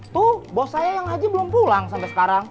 tuh bos saya yang haji belum pulang sampai sekarang